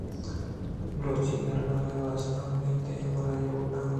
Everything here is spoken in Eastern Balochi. بلوچی دربرگ ءِ واست ءَ من تئی ھمراھی لوٹ آں۔